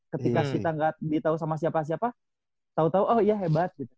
ketika kita gak ditau sama siapa siapa tau tau oh iya hebat gitu